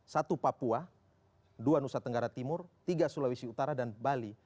satu papua dua nusa tenggara timur tiga sulawesi utara dan bali